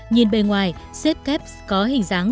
nhìn bên ngoài safecab có hình dáng